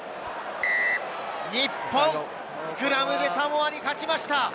日本、スクラムでサモアに勝ちました。